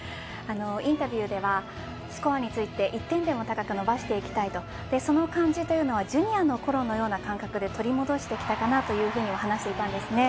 インタビューではスコアについて１点でも高く伸ばしていきたいとその感じというのはジュニアのころのような感覚で取り戻してきたかなと話していたんですね。